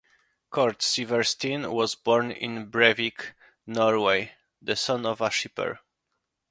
Cort Sivertsen was born in Brevik, Norway, the son of a shipper.